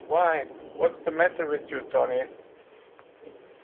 Why, what's the matter with you, Tony?